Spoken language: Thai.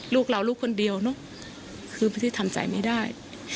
ลูกเราลูกคนเดียวเนอะคือไม่ได้ทำใจไม่ได้